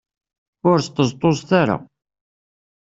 Ur sṭeẓṭuẓet ara.